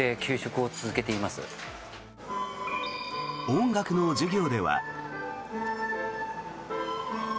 音楽の授業では。